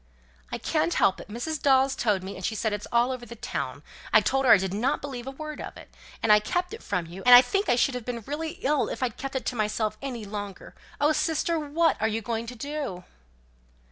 "I can't help it. Mrs. Dawes told me; and she says it's all over the town. I told her I did not believe a word of it. And I kept it from you; and I think I should have been really ill if I'd kept it to myself any longer. Oh, sister! what are you going to do?"